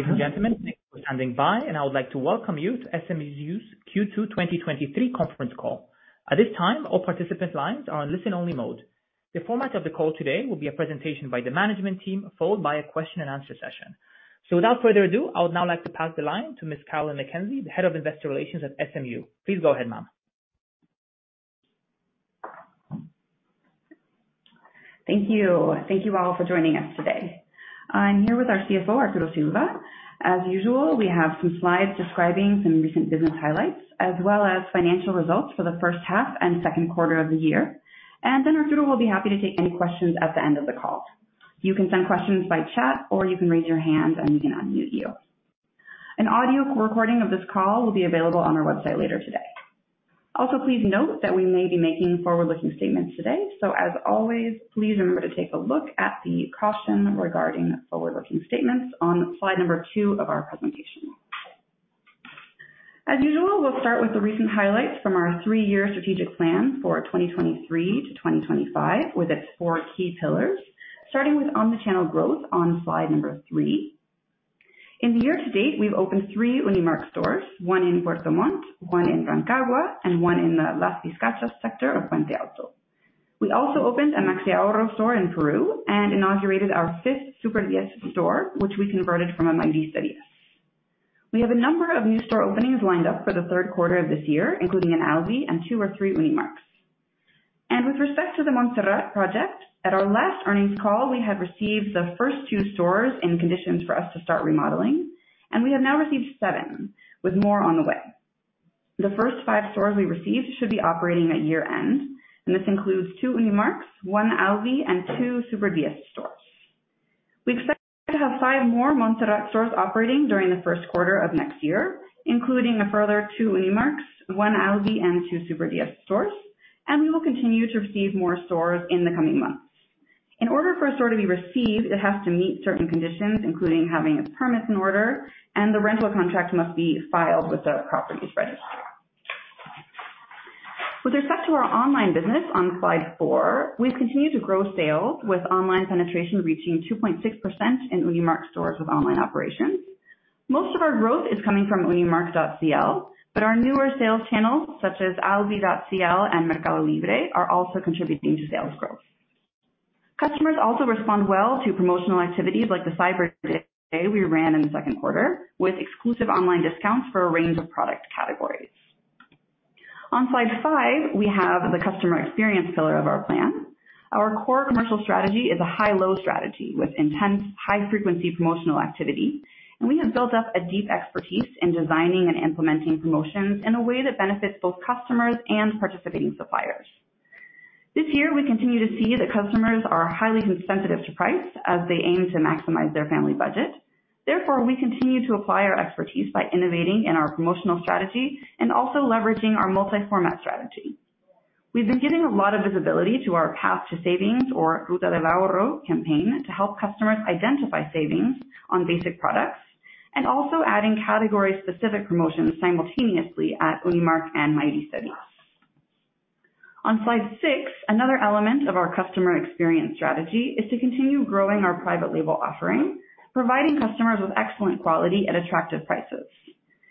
Ladies and gentlemen, thank you for standing by, and I would like to welcome you to SMU's Q2 2023 conference call. At this time, all participant lines are on listen only mode. The format of the call today will be a presentation by the management team, followed by a question and answer session. Without further ado, I would now like to pass the line to Ms. Carolyn McKenzie, the Head of Investor Relations at SMU. Please go ahead, ma'am. Thank you. Thank you all for joining us today. I'm here with our CFO, Arturo Silva. As usual, we have some slides describing some recent business highlights as well as financial results for the first half and second quarter of the year. Arturo will be happy to take any questions at the end of the call. You can send questions by chat, or you can raise your hand and we can unmute you. An audio recording of this call will be available on our website later today. Also, please note that we may be making forward-looking statements today. As always, please remember to take a look at the caution regarding forward-looking statements on slide number 2 of our presentation. As usual, we'll start with the recent highlights from our three year strategic plan for 2023 to 2025, with its four key pillars, starting with omni-channel growth on slide 3. In the year to date, we've opened three Unimarc stores, one in Puerto Montt, one in Rancagua, and one in the Las Vizcachas sector of Puente Alto. We also opened a Maxiahorro store in Peru and inaugurated our fifth Super 10 store, which we converted from a Mayorista 10. We have a number of new store openings lined up for the third quarter of this year, including an Alvi and two or three Unimarcs. With respect to the Montserrat project, at our last earnings call, we had received the first two stores in conditions for us to start remodeling, and we have now received seven, with more on the way. The first five stores we received should be operating at year-end, and this includes two Unimarc stores, one Alvi, and two Super 10 stores. We expect to have five more Montserrat stores operating during the first quarter of next year, including a further two Unimarc stores, one Alvi, and two Super 10 stores. We will continue to receive more stores in the coming months. In order for a store to be received, it has to meet certain conditions, including having its permits in order, and the rental contract must be filed with the properties registered. With respect to our online business on slide 4, we've continued to grow sales, with online penetration reaching 2.6% in Unimarc stores with online operations. Most of our growth is coming from unimarc.cl, but our newer sales channels, such as alvi.cl and Mercado Libre, are also contributing to sales growth. Customers also respond well to promotional activities like the Cyber Day we ran in the second quarter with exclusive online discounts for a range of product categories. On slide five, we have the customer experience pillar of our plan. Our core commercial strategy is a high-low strategy with intense high-frequency promotional activity, and we have built up a deep expertise in designing and implementing promotions in a way that benefits both customers and participating suppliers. This year, we continue to see that customers are highly sensitive to price as they aim to maximize their family budget. Therefore, we continue to apply our expertise by innovating in our promotional strategy and also leveraging our multi-format strategy. We've been giving a lot of visibility to our Path to Savings or La Ruta del Ahorro campaign to help customers identify savings on basic products, and also adding category-specific promotions simultaneously at Unimarc and Mayorista 10. On slide 6, another element of our customer experience strategy is to continue growing our private label offering, providing customers with excellent quality at attractive prices.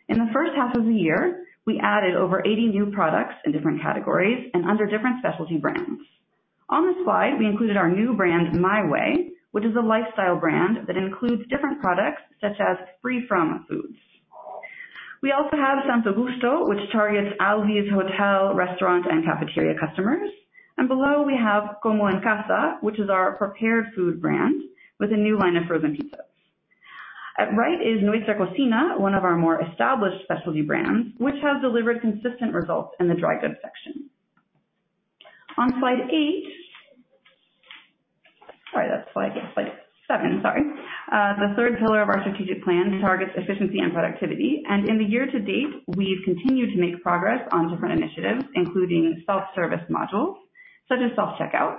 In the first half of the year, we added over 80 new products in different categories and under different specialty brands. On this slide, we included our new brand, My Way, which is a lifestyle brand that includes different products such as free-from foods. We also have San Justo, which targets Alvi's hotel, restaurant, and cafeteria customers. Below we have Como en Casa, which is our prepared food brand with a new line of frozen pizzas At right is Nuestra Cocina, one of our more established specialty brands, which has delivered consistent results in the dry goods section. On slide seven, the third pillar of our strategic plan targets efficiency and productivity. In the year to date, we've continued to make progress on different initiatives, including self-service modules such as self-checkouts.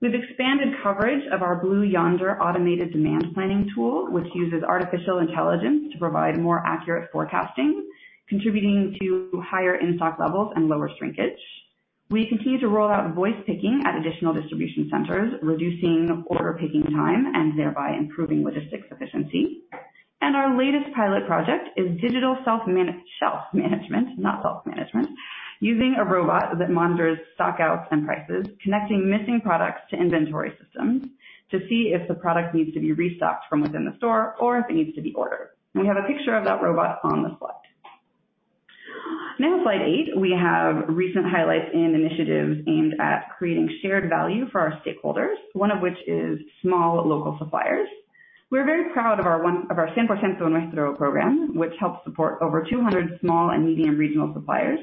We've expanded coverage of our Blue Yonder automated demand planning tool, which uses artificial intelligence to provide more accurate forecasting, contributing to higher in-stock levels and lower shrinkage. We continue to roll out voice picking at additional distribution centers, reducing order picking time and thereby improving logistics efficiency. Our latest pilot project is digital shelf management using a robot that monitors stock outs and prices, connecting missing products to inventory systems to see if the product needs to be restocked from within the store or if it needs to be ordered. We have a picture of that robot on the slide. Now, slide 8, we have recent highlights in initiatives aimed at creating shared value for our stakeholders, one of which is small local suppliers. We're very proud of our 100% Nuestro program, which helps support over 200 small and medium regional suppliers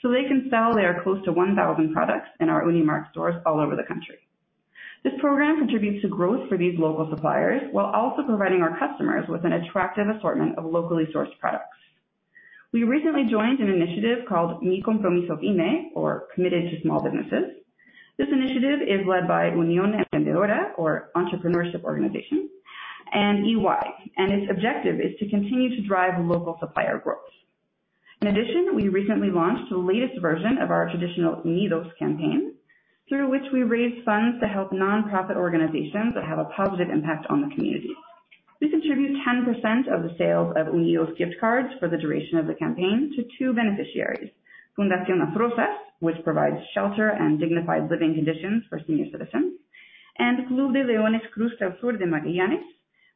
so they can sell their close to 1,000 products in our Unimarc stores all over the country. This program contributes to growth for these local suppliers while also providing our customers with an attractive assortment of locally sourced products. We recently joined an initiative called Mi Compromiso PYME or Committed to Small Businesses. This initiative is led by Unión Emprendedora or Entrepreneurship Organization and EY, and its objective is to continue to drive local supplier growth. In addition, we recently launched the latest version of our traditional Unidos campaign, through which we raise funds to help nonprofit organizations that have a positive impact on the community. We contribute 10% of the sales of Unidos gift cards for the duration of the campaign to two beneficiaries, Fundación Process, which provides shelter and dignified living conditions for senior citizens, and Club de Leones Cruz del Sur de Magallanes,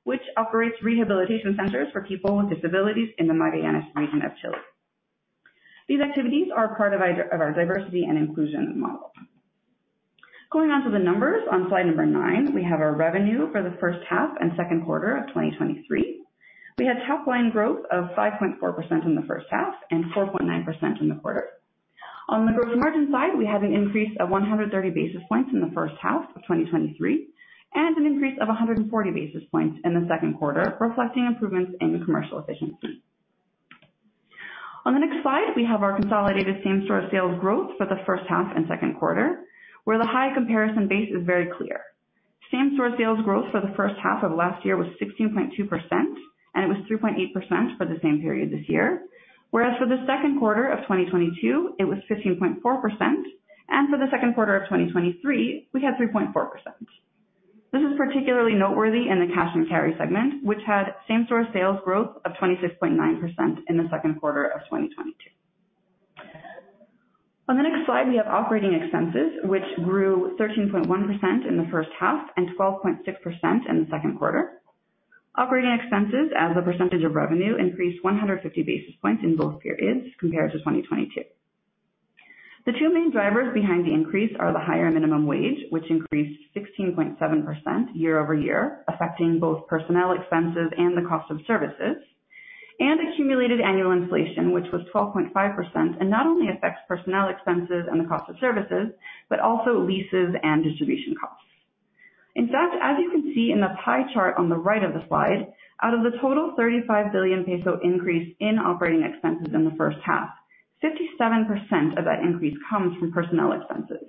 which operates rehabilitation centers for people with disabilities in the Magallanes region of Chile. These activities are part of our diversity and inclusion model. Going on to the numbers on slide number 9, we have our revenue for the first half and second quarter of 2023. We had top line growth of 5.4% in the first half and 4.9% in the quarter. On the gross margin side, we had an increase of 130 basis points in the first half of 2023, and an increase of 140 basis points in the second quarter, reflecting improvements in commercial efficiency. On the next slide, we have our consolidated same-store sales growth for the first half and second quarter, where the high comparison base is very clear. Same-store sales growth for the first half of last year was 16.2%, and it was 3.8% for the same period this year. For the second quarter of 2022 it was 15.4%, and for the second quarter of 2023 we had 3.4%. This is particularly noteworthy in the cash and carry segment, which had same-store sales growth of 26.9% in the second quarter of 2022. On the next slide, we have operating expenses, which grew 13.1% in the first half and 12.6% in the second quarter. Operating expenses as a percentage of revenue increased 150 basis points in both periods compared to 2022. The two main drivers behind the increase are the higher minimum wage, which increased 16.7% year-over-year, affecting both personnel expenses and the cost of services, and accumulated annual inflation, which was 12.5%, and not only affects personnel expenses and the cost of services, but also leases and distribution costs. In fact, as you can see in the pie chart on the right of the slide, out of the total 35 billion peso increase in operating expenses in the first half, 57% of that increase comes from personnel expenses.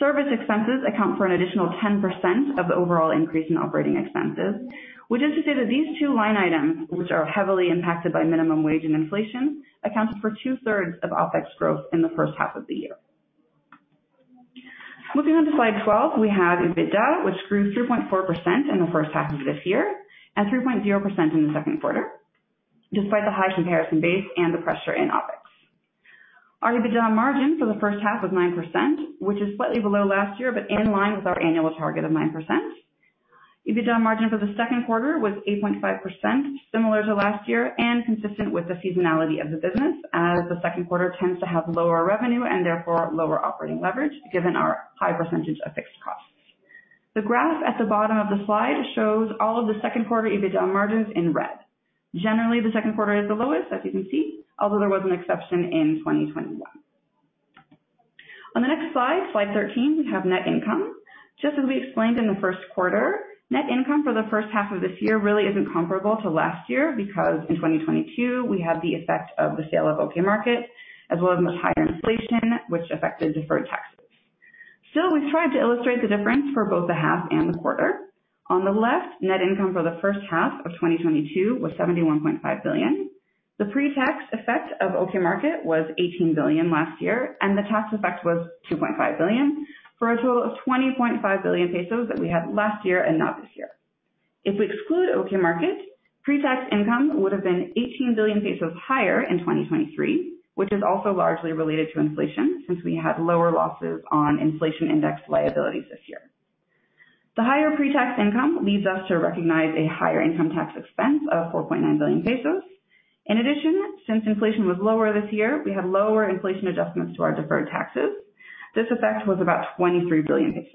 Service expenses account for an additional 10% of the overall increase in operating expenses, which indicates that these two line items, which are heavily impacted by minimum wage and inflation, accounted for two-thirds of OpEx growth in the first half of the year. Moving on to slide 12, we have EBITDA, which grew 3.4% in the first half of this year and 3.0% in the second quarter, despite the high comparison base and the pressure in OpEx. Our EBITDA margin for the first half was 9%, which is slightly below last year, but in line with our annual target of 9%. EBITDA margin for the second quarter was 8.5%, similar to last year and consistent with the seasonality of the business as the second quarter tends to have lower revenue and therefore lower operating leverage given our high percentage of fixed costs. The graph at the bottom of the slide shows all of the second quarter EBITDA margins in red. Generally, the second quarter is the lowest, as you can see, although there was an exception in 2021. On the next slide 13, we have net income. Just as we explained in the first quarter, net income for the first half of this year really isn't comparable to last year because in 2022 we had the effect of the sale of OK Market as well as much higher inflation which affected deferred taxes. Still, we've tried to illustrate the difference for both the half and the quarter. On the left, net income for the first half of 2022 was 71.5 billion. The pre-tax effect of OK Market was 18 billion last year, and the tax effect was 2.5 billion, for a total of 20.5 billion pesos that we had last year and not this year. If we exclude OK Market, pre-tax income would have been 18 billion pesos higher in 2023, which is also largely related to inflation since we had lower losses on inflation-indexed liabilities this year. The higher pre-tax income leads us to recognize a higher income tax expense of 4.9 billion pesos. In addition, since inflation was lower this year, we had lower inflation adjustments to our deferred taxes. This effect was about 23 billion pesos.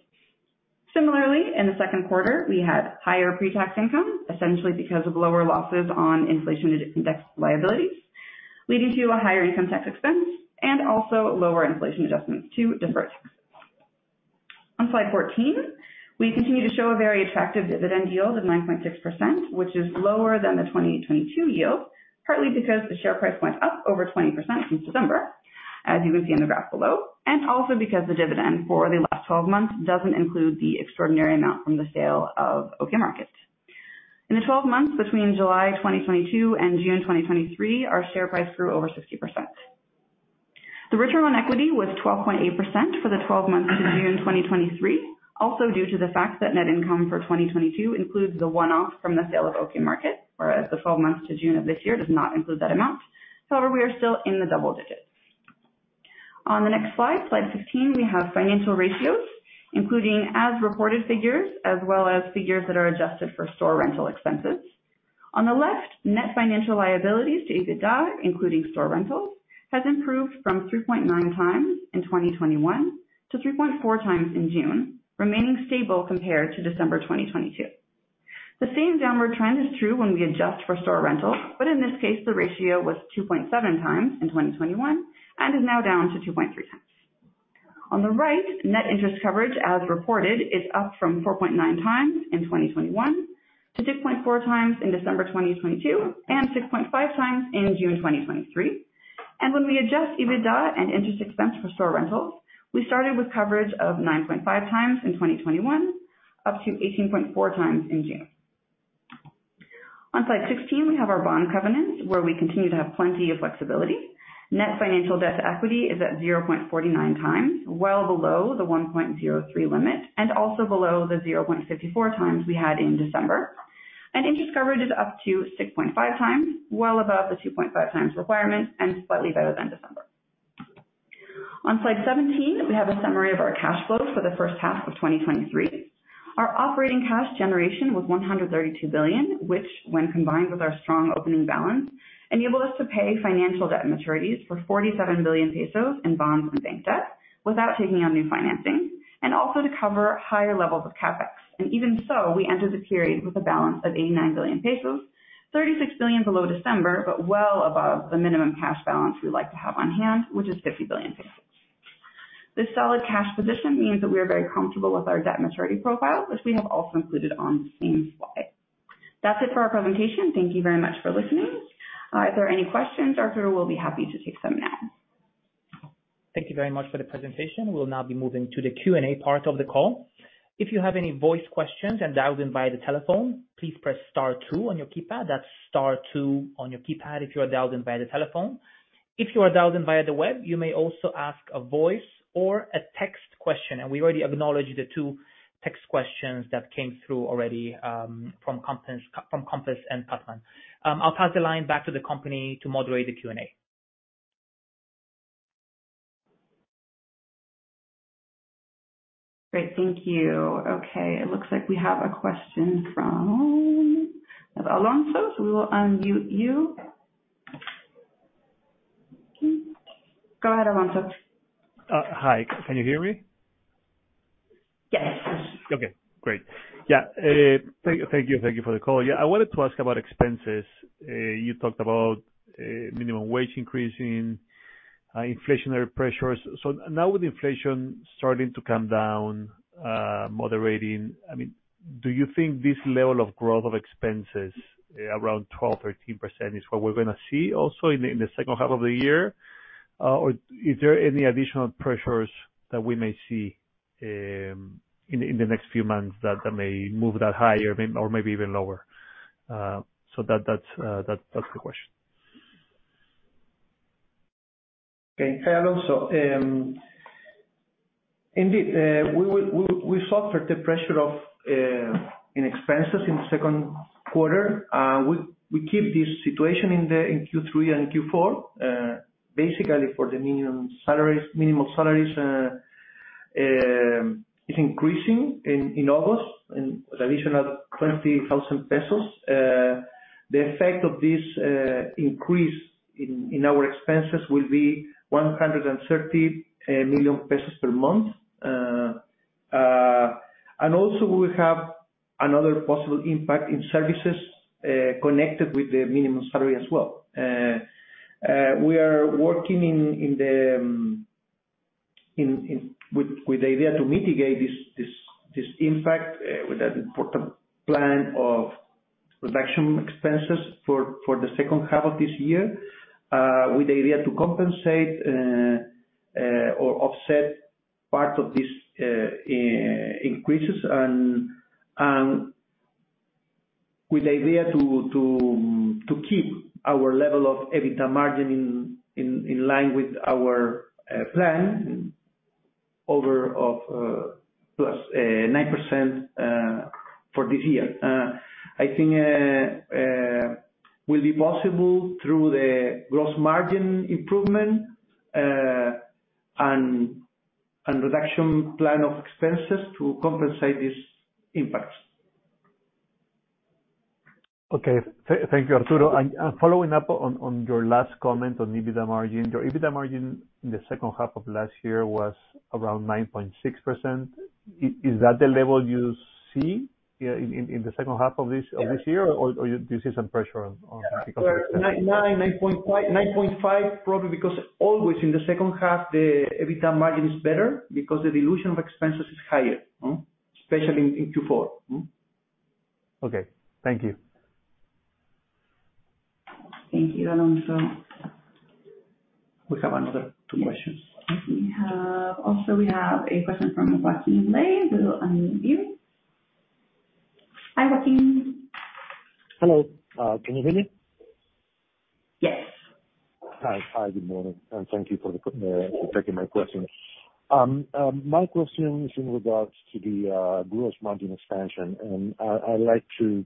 Similarly, in the second quarter, we had higher pre-tax income, essentially because of lower losses on inflation-indexed liabilities, leading to a higher income tax expense and also lower inflation adjustments to deferred taxes. On slide 14, we continue to show a very attractive dividend yield of 9.6%, which is lower than the 2022 yield, partly because the share price went up over 20% since December, as you can see in the graph below. also because the dividend for the last 12 months doesn't include the extraordinary amount from the sale of OK Market. In the 12 months between July 2022 and June 2023, our share price grew over 60%. The return on equity was 12.8% for the 12 months to June 2023, also due to the fact that net income for 2022 includes the one-off from the sale of OK Market, whereas the 12 months to June of this year does not include that amount. However, we are still in the double digits. On the next slide 15, we have financial ratios, including as reported figures as well as figures that are adjusted for store rental expenses. On the left, net financial liabilities to EBITDA, including store rentals, has improved from 3.9x in 2021 to 3.4 times in June, remaining stable compared to December 2022. The same downward trend is true when we adjust for store rentals, but in this case the ratio was 2.7x in 2021 and is now down to 2.3x. On the right, net interest coverage as reported is up from 4.9x in 2021 to 6.4x in December 2022 and 6.5x in June 2023. When we adjust EBITDA and interest expense for store rentals, we started with coverage of 9.5x in 2021 up to 18.4x in June. On slide 16, we have our bond covenants where we continue to have plenty of flexibility. Net financial debt to equity is at 0.49x, well below the 1.03 limit and also below the 0.54x we had in December. Interest coverage is up to 6.5x, well above the 2.5x requirement and slightly better than December. On slide 17, we have a summary of our cash flow for the first half of 2023. Our operating cash generation was 132 billion, which, when combined with our strong opening balance, enabled us to pay financial debt maturities for 47 billion pesos in bonds and bank debt without taking on new financing, and also to cover higher levels of CapEx. Even so, we entered the period with a balance of 89 billion pesos, 36 billion below December, but well above the minimum cash balance we like to have on hand, which is 50 billion pesos. This solid cash position means that we are very comfortable with our debt maturity profile, which we have also included on the same slide. That's it for our presentation. Thank you very much for listening. If there are any questions, Arturo will be happy to take them now. Thank you very much for the presentation. We'll now be moving to the Q&A part of the call. If you have any voice questions and dialed in via the telephone, please press star two on your keypad. That's star two on your keypad if you are dialed in via the telephone. If you are dialed in via the web, you may also ask a voice or a text question. We already acknowledge the two text questions that came through already from Compass and Putnam. I'll pass the line back to the company to moderate the Q&A. Great. Thank you. Okay, it looks like we have a question from Alonso. We will unmute you. Go ahead, Alonso. Hi. Can you hear me? Yes. Okay, great. Yeah, thank you. Thank you for the call. Yeah, I wanted to ask about expenses. You talked about minimum wage increasing, inflationary pressures. Now with inflation starting to come down, moderating, I mean, do you think this level of growth of expenses around 12%-13% is what we're gonna see also in the second half of the year? Or is there any additional pressures that we may see in the next few months that may move that higher or maybe even lower? That's the question. Okay. Hi, Alonso. Indeed, we suffered the pressure of expenses in the second quarter. We keep this situation in Q3 and Q4. Basically for the minimum salaries is increasing in August, an additional 20,000 pesos. The effect of this increase in our expenses will be 130 million pesos per month. Also we have another possible impact in services connected with the minimum salary as well. We are working in the with the idea to mitigate this impact with an important plan of reduction expenses for the second half of this year with the idea to compensate or offset part of these increases and with the idea to keep our level of EBITDA margin in line with our plan of +9% for this year. I think it will be possible through the gross margin improvement and reduction plan of expenses to compensate these impacts. Okay. Thank you, Arturo. Following up on your last comment on EBITDA margin. Your EBITDA margin in the second half of last year was around 9.6%. Is that the level you see in the second half of this- Yeah. of this year or this is some pressure on. Yeah. 9.5% probably because always in the second half the EBITDA margin is better because the dilution of expenses is higher. Especially in Q4. Okay. Thank you. Thank you, Alonso. We have another two questions. Also, we have a question from [Joaquín Ley]. We will unmute you. Hi, Joaquín. Hello. Can you hear me? Yes. Hi. Hi, good morning, and thank you for taking my question. My question is in regards to the gross margin expansion. I'd like to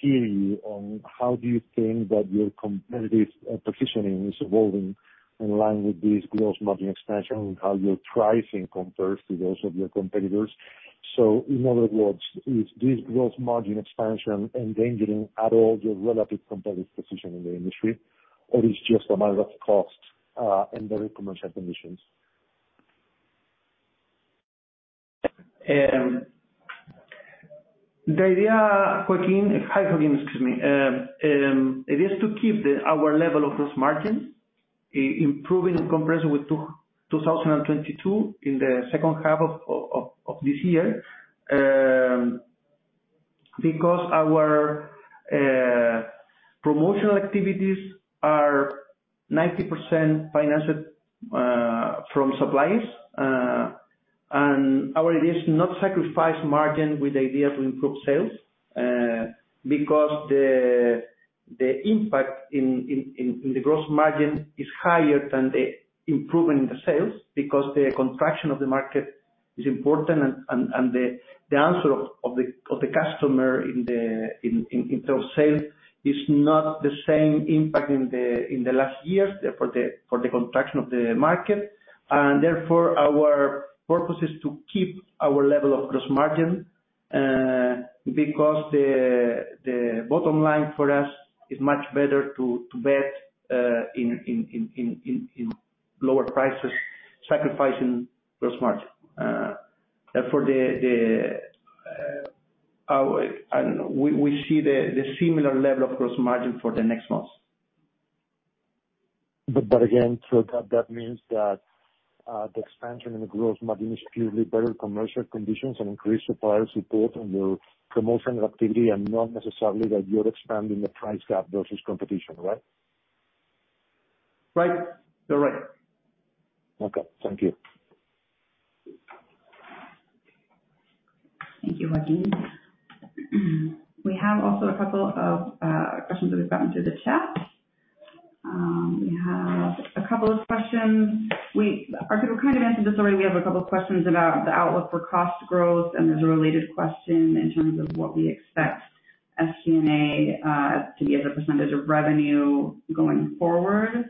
hear you on how do you think that your competitive positioning is evolving in line with this gross margin expansion and how your pricing compares to those of your competitors. In other words, is this gross margin expansion endangering at all your relative competitive position in the industry or is just a matter of cost and very commercial conditions? The idea, Joaquín. Hi, Joaquín. Excuse me. It is to keep our level of gross margins improving compared with 2022 in the second half of this year. Because our promotional activities are 90% financed from suppliers. Our idea is to not sacrifice margin with the idea to improve sales, because the impact in the gross margin is higher than the improvement in the sales because the contraction of the market is important and the answer of the customer in terms of sales is not the same impact in the last years for the contraction of the market. Therefore, our purpose is to keep our level of gross margin, because the bottom line for us is much better to bet in lower prices, sacrificing gross margin. I don't know, we see the similar level of gross margin for the next months. Again, so that means that the expansion in the gross margin is purely better commercial conditions and increased supplier support on your promotional activity, and not necessarily that you're expanding the price gap versus competition, right? Right. You're right. Okay. Thank you. Thank you, Joaquín. We have also a couple of questions that we've gotten through the chat. We have a couple of questions. I think we kind of answered this already. We have a couple of questions about the outlook for cost growth, and there's a related question in terms of what we expect SG&A to be as a percentage of revenue going forward.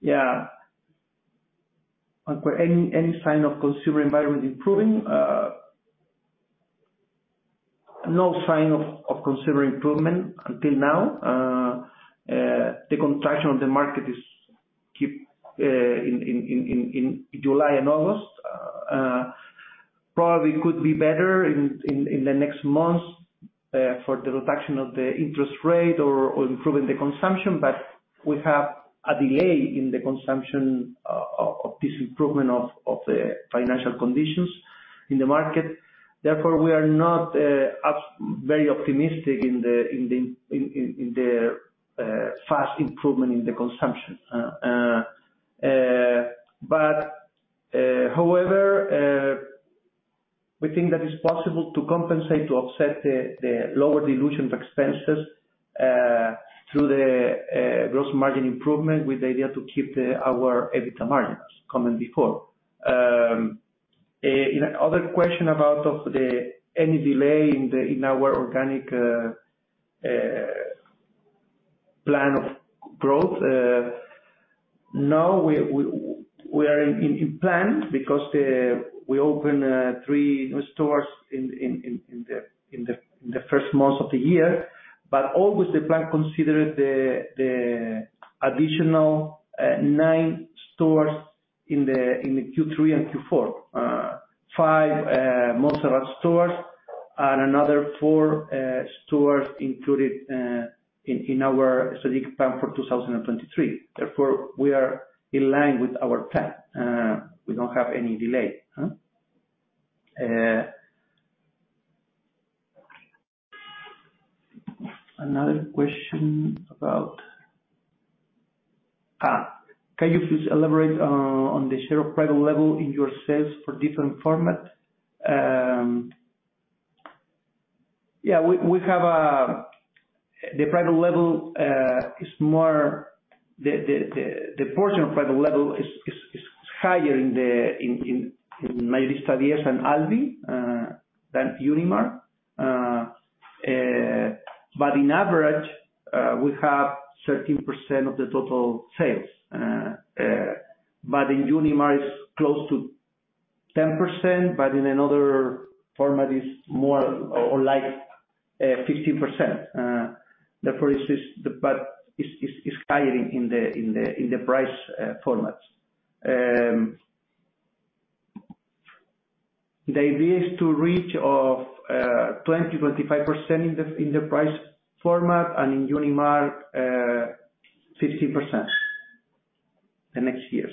Yeah. Like for any sign of consumer environment improving? No sign of consumer improvement until now. The contraction of the market is keeping in July and August. Probably could be better in the next months for the reduction of the interest rate or improving the consumption. We have a delay in the consumption of this improvement of the financial conditions in the market. Therefore, we are not very optimistic in the fast improvement in the consumption. However, we think that it's possible to compensate to offset the lower reduction of expenses through the gross margin improvement with the idea to keep our EBITDA margins as before. Another question about any delay in our organic plan of growth. No, we are in plan because we opened three new stores in the first months of the year. Always the plan consider the additional 9 stores in the Q3 and Q4. 5 Montserrat stores and another four stores included in our strategic plan for 2023. Therefore, we are in line with our plan. We don't have any delay. Another question about. Can you please elaborate on the share of private label in your sales for different formats? Yeah. We have. The portion of private label is higher in the hard discounters and Aldi than Unimarc. On average, we have 13% of the total sales. In Unimarc is close to 10%, in another format is more or like 15%. Therefore it's higher in the price formats. The idea is to reach 20%-25% in the price format and in Unimarc 15% in the next years.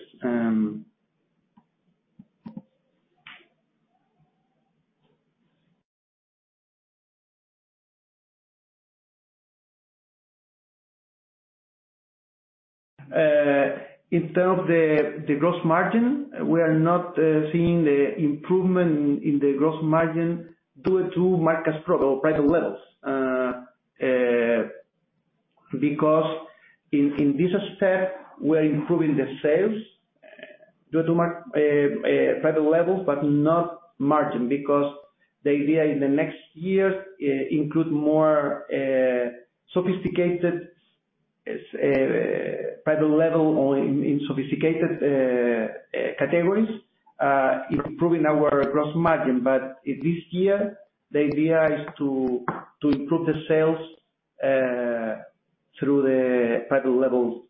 In terms of the gross margin, we are not seeing the improvement in the gross margin due to private labels. Because in this aspect, we're improving the sales due to our private labels, but not margin. Because the idea in the next years include more sophisticated private labels in sophisticated categories, improving our gross margin. In this year, the idea is to improve the sales through the private labels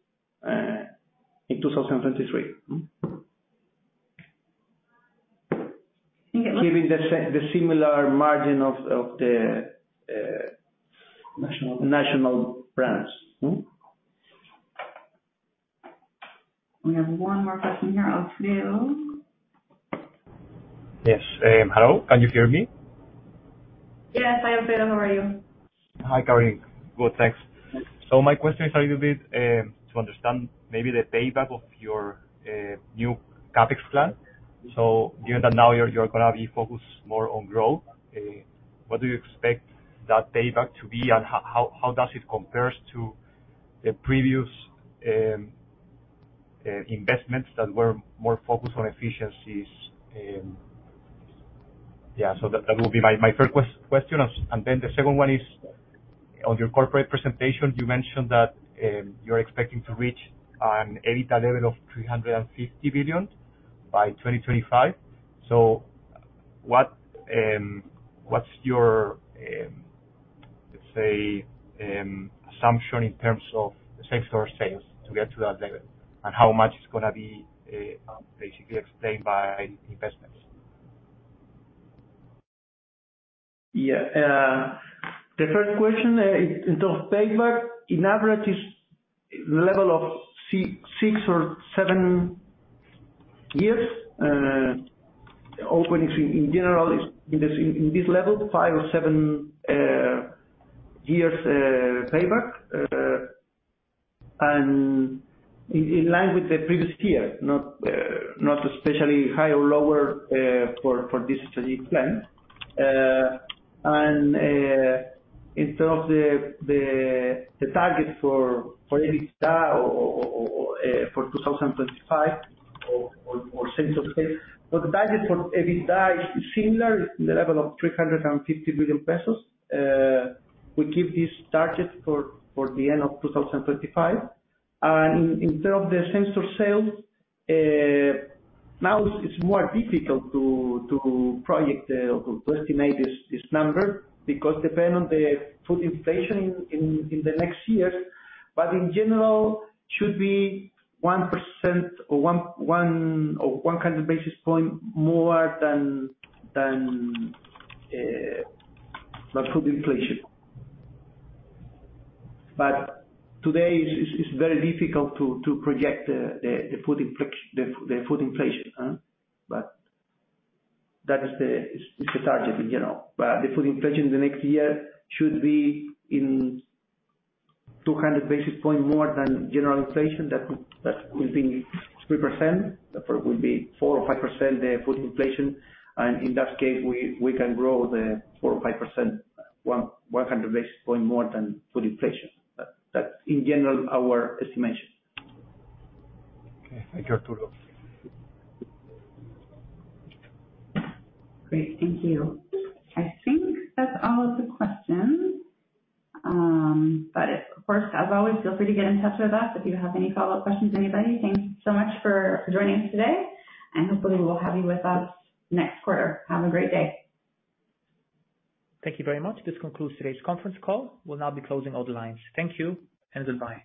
in 2023. I think it was- Giving the similar margin of the National national brands. Mm-hmm. We have one more question here. Alfredo? Yes. Hello, can you hear me? Yes, hi Alfredo. How are you? Hi, Carolyn. Good, thanks. My question is a little bit to understand maybe the payback of your new CapEx plan. Given that now you're gonna be focused more on growth, what do you expect that payback to be and how does it compare to the previous investments that were more focused on efficiencies? Yeah. That will be my first question. Then the second one is on your corporate presentation, you mentioned that you're expecting to reach an EBITDA level of 350 billion by 2025. What’s your, let’s say, assumption in terms of same-store sales to get to that level? And how much is gonna be basically explained by investments? The first question, in terms of payback, on average is level of six or seven years. Openings in general is in this level, five or seven years payback. In line with the previous year, not especially high or lower for this strategic plan. In terms of the target for EBITDA for 2025 or same-store sales. The target for EBITDA is similar in the level of 350 billion pesos. We keep this target for the end of 2025. In terms of the same-store sales, now it's more difficult to project the To estimate this number because it depends on the food inflation in the next years. In general it should be 1% or 100 basis points more than the food inflation. Today it is very difficult to project the food inflation. That is the target in general. The food inflation in the next year should be 200 basis points more than general inflation. That would be 3%. That would be 4%-5%, the food inflation. In that case, we can grow 4%-5%, 100 basis points more than food inflation. That's in general our estimation. Okay. Thank you, Arturo. Great. Thank you. I think that's all of the questions. Of course, as always, feel free to get in touch with us if you have any follow-up questions for anybody. Thank you so much for joining us today, and hopefully we'll have you with us next quarter. Have a great day. Thank you very much. This concludes today's conference call. We'll now be closing all the lines. Thank you and goodbye.